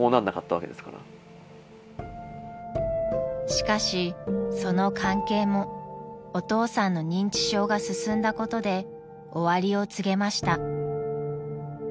［しかしその関係もお父さんの認知症が進んだことで終わりを告げました］